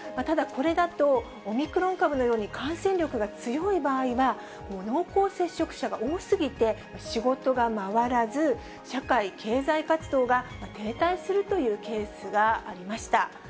ただ、これだとオミクロン株のように、感染力が強い場合は濃厚接触者が多すぎて、仕事が回らず、社会、経済活動が停滞するというケースがありました。